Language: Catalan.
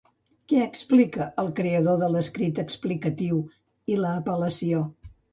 Què explica el creador de l'escrit explicatiu i l'apel·lació?